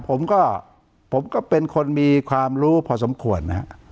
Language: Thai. ผมก็เป็นคนมีความรู้พอสมควรนะครับ